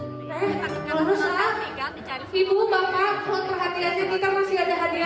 ibu bapak buat perhatiannya kita masih ada hadiah